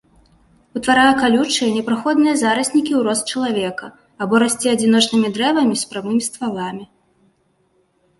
Утварае калючыя непраходныя зараснікі ў рост чалавека або расце адзіночнымі дрэвамі з прамымі стваламі.